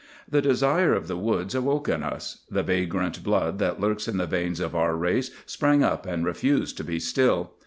The desire of the woods awoke in us. The vagrant blood that lurks in the veins of our race sprang up and refused to be still.